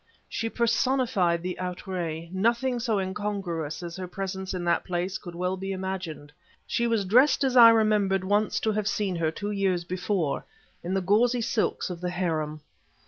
She personified the outre; nothing so incongruous as her presence in that place could well be imagined. She was dressed as I remembered once to have seen her two years before, in the gauzy silks of the harem.